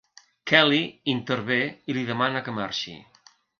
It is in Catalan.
Kelly intervé i li demana que marxi.